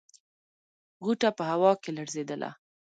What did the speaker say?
غوټه په هوا کې لړزېدله.